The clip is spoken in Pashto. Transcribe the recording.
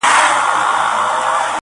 o بابا به ويل، ادې به منل!